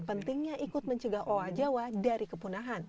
pentingnya ikut mencegah owa jawa dari kepunahan